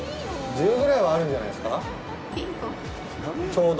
１０ぐらいはあるんじゃないですか。